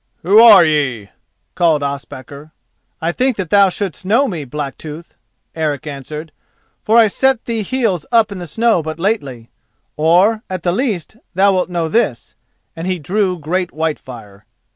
"Who are ye?" called Ospakar. "I think that thou shouldst know me, Blacktooth," Eric answered, "for I set thee heels up in the snow but lately—or, at the least, thou wilt know this," and he drew great Whitefire.